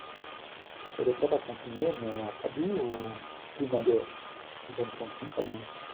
Elle est prête à continuer, mais à Pabu ou Ploumagoar, si ça ne fonctionne pas bien.